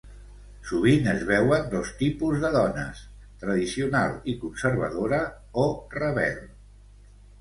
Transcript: Sovint es veuen dos tipus de dones: tradicional i conservadora, o rebel.